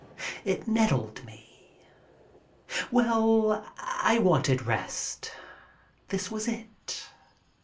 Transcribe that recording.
It nettled me. Well, I wanted rest. This was it.